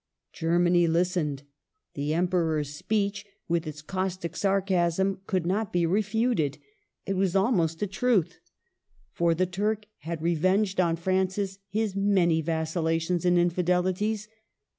Germany listened; the Emperor's speech, THE LEAGUE WITH SOLIMAN, 195 with its caustic sarcasm, could not be refuted; it was almost a truth. For the Turk had re venged on Francis his many vacillations and infidelities.